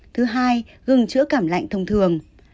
thứ hai gừng chữa cảm lạnh thông thường